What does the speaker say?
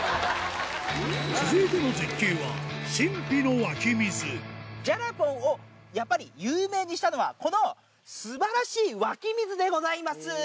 続いての絶景は、神秘の湧きジャラポンを、やっぱり有名にしたのは、このすばらしい湧き水でございます。